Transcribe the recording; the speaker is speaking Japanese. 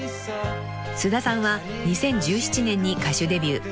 ［菅田さんは２０１７年に歌手デビュー］